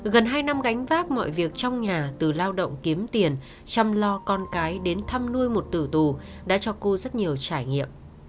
gần hai năm gánh vác mọi việc trong nhà từ lao động kiếm tiền chăm lo con cái đến thăm nuôi một tử tù đã cho cô rất nhiều trải nghiệm